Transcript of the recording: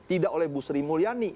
tidak oleh bu sri mulyani